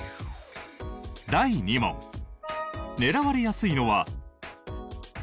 第２問狙われやすいのは塀が高い家？